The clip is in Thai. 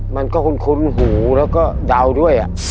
มันก็คุ้นหูแล้วก็เดาด้วย